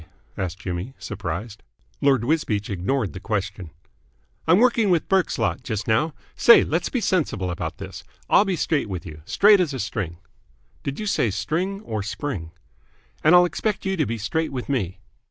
asked Jimmy, surprised. Lord Wisbeach ignored the question. "I'm working with Burke's lot just now. Say, let's be sensible about this. I'll be straight with you, straight as a string." "Did you say string or spring?" "And I'll expect you to be straight with me."